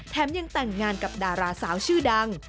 ยังแต่งงานกับดาราสาวชื่อดัง